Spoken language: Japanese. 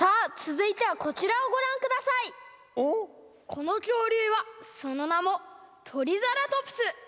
このきょうりゅうはそのなもトリザラトプス！